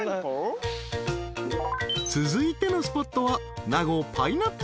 ［続いてのスポットは］